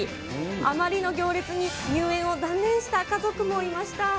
あまりの行列に、入園を断念した家族もいました。